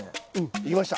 行きました！